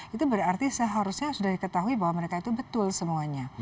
itu berarti seharusnya sudah diketahui bahwa mereka itu betul semuanya